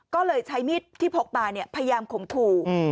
ก็เลยใช้มีดที่พกมาพยายามข่มขู่